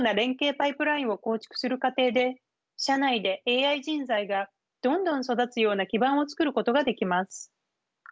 パイプラインを構築する過程で社内でＡＩ人材がどんどん育つような基盤を作ることができます。